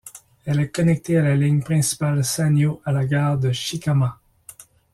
Elle est connectée à la ligne principale Sanyō à la gare de Shikama.